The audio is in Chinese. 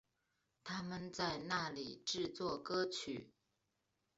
他们在那里制作歌曲。